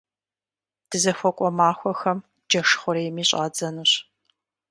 Дызыхуэкӏуэ махуэхэм джэш хъурейми щӏадзэнущ.